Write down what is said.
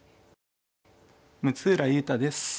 六浦雄太です。